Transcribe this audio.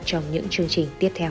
trong những chương trình tiếp theo